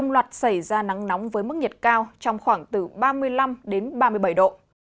loạt xảy ra nắng nóng với mức nhiệt cao trong khoảng từ ba mươi năm đến ba mươi bảy độ